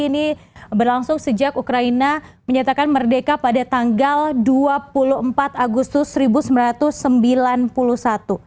ini berlangsung sejak ukraina menyatakan merdeka pada tanggal dua puluh empat agustus seribu sembilan ratus sembilan puluh satu